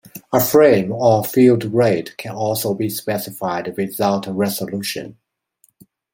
A frame or field rate can also be specified without a resolution.